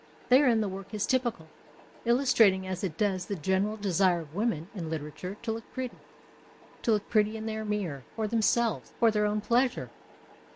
Therein the work is typical, illustrating as it docs the general desire of women in literature to look pretty — to look pretty in their mirror, for themselves, for their own pleasure.